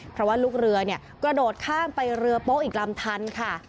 เพราะว่าลูกเรือกระโดดข้ามไปเรือโป๊ะอีกลำทันค่ะ